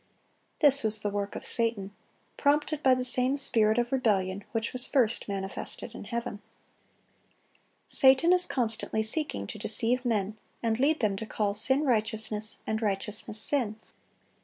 This was the work of Satan, prompted by the same spirit of rebellion which was first manifested in heaven. Satan is constantly seeking to deceive men, and lead them to call sin righteousness, and righteousness sin.